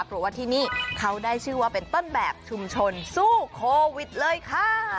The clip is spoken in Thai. เพราะว่าที่นี่เขาได้ชื่อว่าเป็นต้นแบบชุมชนสู้โควิดเลยค่ะ